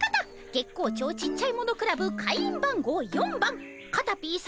月光町ちっちゃいものクラブ会員番号４番カタピーさま